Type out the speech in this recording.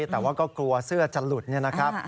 แต่ว่าก็กลัวเสื้อจะหลุดเนี่ยนะครับ